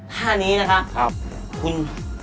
ท่านี้นะคะคุณ